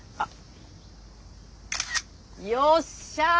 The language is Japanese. よっしゃ！